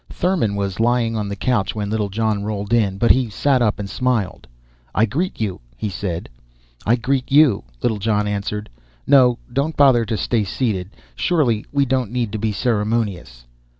Thurmon was lying on the couch when Littlejohn rolled in, but he sat up and smiled. "I greet you," he said. "I greet you," Littlejohn answered. "No, don't bother to stay seated. Surely we don't need to be ceremonious."